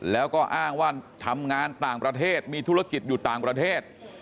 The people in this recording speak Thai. แล้วก็อ้างว่าทำงานต่างประเทศมีธุรกิจอยู่ต่างประเทศ